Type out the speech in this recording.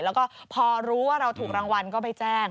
แล้วก็พอรู้ว่าเราถูกรางวัลก็ไปแจ้ง